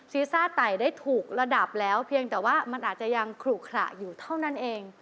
ซ่าไต่ได้ถูกระดับแล้วเพียงแต่ว่ามันอาจจะยังขลุขระอยู่เท่านั้นเอง